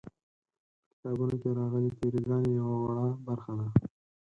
په کتابونو کې راغلې تیوري ګانې یوه وړه برخه ده.